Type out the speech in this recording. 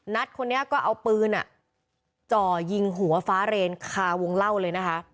คนนี้ก็เอาปืนจ่อยิงหัวฟ้าเรนคาวงเล่าเลยนะคะ